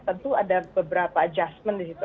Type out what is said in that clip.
tentu ada beberapa adjustment di situ